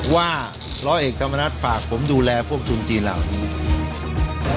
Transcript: ว่าร้อยเอกธรรมนัฐฝากผมดูแลพวกทุนจีนเหล่านี้